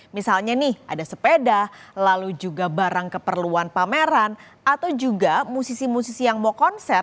misalnya nih ada sepeda lalu juga barang keperluan pameran atau juga musisi musisi yang mau konser